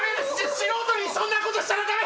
素人にそんなことしたらダメ！